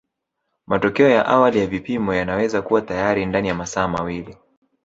Matokeo ya awali ya vipimo yanaweza kuwa tayari ndani ya masaa mawili